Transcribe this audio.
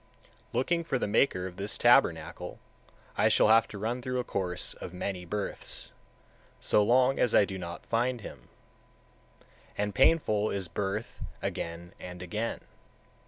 153, 154. Looking for the maker of this tabernacle, I shall have to run through a course of many births, so long as I do not find (him); and painful is birth again and again.